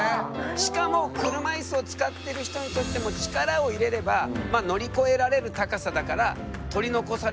しかも車いすを使ってる人にとっても力を入れればまあ乗り越えられる高さだからへえ。